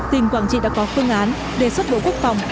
tỉnh quảng trị đã có phương án đề xuất bộ quốc phòng